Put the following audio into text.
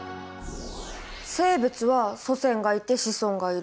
生物は祖先がいて子孫がいる。